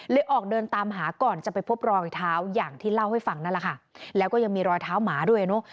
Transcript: ออกเดินตามหาก่อนจะไปพบรอยเท้าอย่างที่เล่าให้ฟังนั่นแหละค่ะแล้วก็ยังมีรอยเท้าหมาด้วยเนอะ